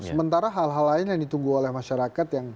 sementara hal hal lain yang ditunggu oleh masyarakat yang